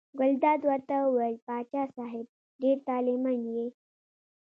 ګلداد ورته وویل: پاچا صاحب ډېر طالع من یې.